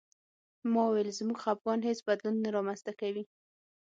ما وویل زموږ خپګان هېڅ بدلون نه رامنځته کوي